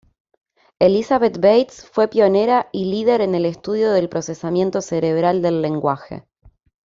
Elizabeth Bates fue pionera y líder en el estudio del procesamiento cerebral del lenguaje.